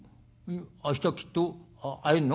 明日きっと会えんの？